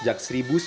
baik terima kasih